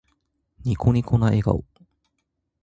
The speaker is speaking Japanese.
ニコニコな笑顔。